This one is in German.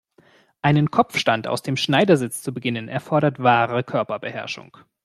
Einen Kopfstand aus dem Schneidersitz zu beginnen, erfordert wahre Körperbeherrschung.